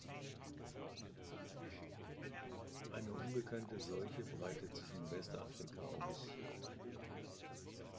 Eine unbekannte Seuche breitet sich in Westafrika aus.